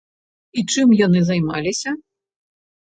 І чым яны займаліся?